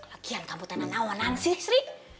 lagian kamu tenang awanan sih sri